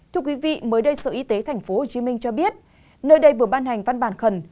thưa quý vị mới đây sở y tế tp hcm cho biết nơi đây vừa ban hành văn bản khẩn